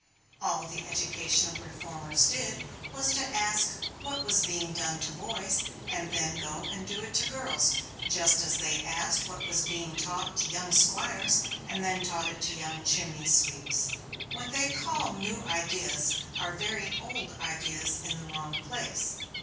All the educational reformers did was to ask what was being done to boys and then go and do it to girls; just as they asked what was being taught to young squires and then taught it to young chimney sweeps. What they call new ideas are very old ideas in the wrong place.